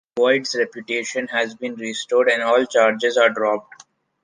Boyds reputation has been restored and all charges are dropped.